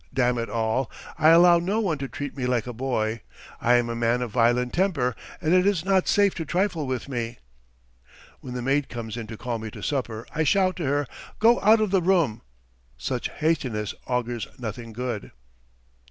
Damn it all! I allow no one to treat me like a boy, I am a man of violent temper, and it is not safe to trifle with me! When the maid comes in to call me to supper, I shout to her: "Go out of the room!" Such hastiness augurs nothing good.